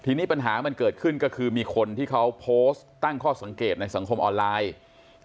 ทีนี้ปัญหามันเกิดขึ้นก็คือมีคนที่เขาโพสต์ตั้งข้อสังเกตในสังคมออนไลน์